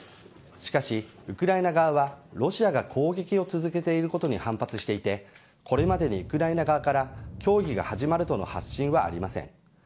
しかし、ウクライナ側はロシアが攻撃を続けていることに反発していてこれまでにウクライナ側から協議が始まるとの発信はありません。